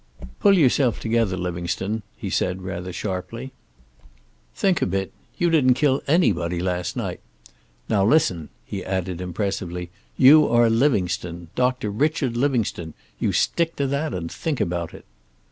"Pull yourself together, Livingstone," he said, rather sharply. "Think a bit. You didn't kill anybody last night. Now listen," he added impressively. "You are Livingstone, Doctor Richard Livingstone. You stick to that, and think about it."